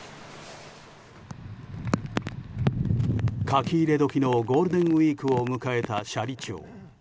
書き入れ時のゴールデンウィークを迎えた斜里町。